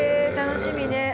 楽しみね。